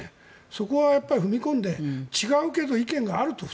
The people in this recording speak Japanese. そこは踏み込んで、違うけど意見が２つあると。